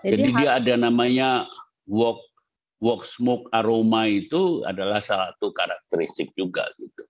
jadi dia ada namanya wok smoke aroma itu adalah salah satu karakteristik juga